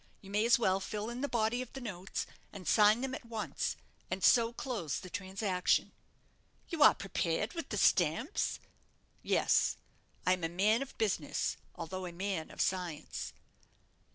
You may as well fill in the body of the notes, and sign them at once, and so close the transaction." "You are prepared with the stamps?" "Yes; I am a man of business, although a man of science."